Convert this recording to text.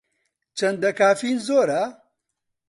چەندە کافین زۆرە؟